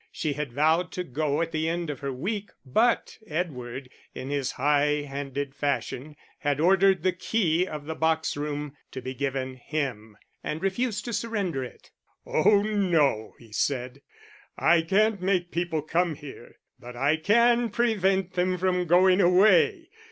She had vowed to go at the end of her week; but Edward, in his high handed fashion, had ordered the key of the box room to be given him, and refused to surrender it. "Oh no," he said, "I can't make people come here, but I can prevent them from going away.